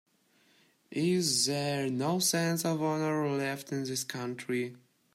Is there no sense of honor left in this country?